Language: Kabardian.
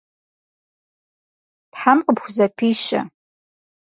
Тхьэм къыпхузэпищэ.